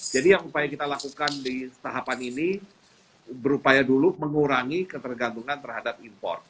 jadi yang berupaya kita lakukan di tahapan ini berupaya dulu mengurangi ketergantungan terhadap import